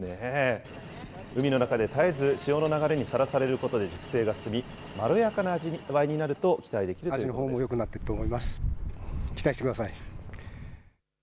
海の中で絶えず潮の流れにさらされることで熟成が進み、まろやかな味わいになると期待できるということです。